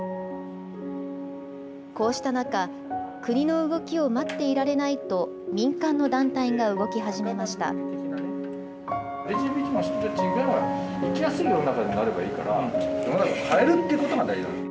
こうした中、国の動きを待っていられないと、民間の団体が動き始めました。